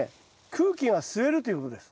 空気が吸えるということです。